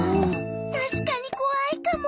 たしかにこわいかも。